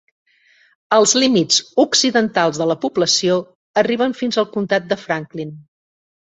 Els límits occidentals de la població arriben fins al comtat de Franklin.